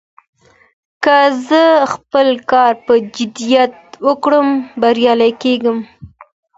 که زه خپل کار په جدیت وکړم، بريالی کېږم.